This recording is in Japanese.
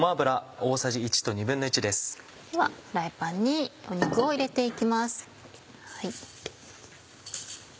ではフライパンに肉を入れて行きます。